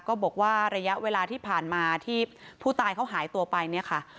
ก็บอกว่าระยะเวลาที่ผ่านมาที่ผู้ตายเขาหายตัวไปเนี่ยค่ะ